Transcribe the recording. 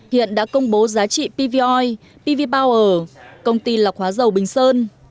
hiện đã công bố giá trị pv oil pv power công ty lọc hóa dầu bình sơn